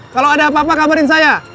kalau ada apa apa kabarin saya